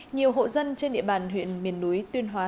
nhiều hộ dân trên địa bàn huyện miền núi tuyên hóa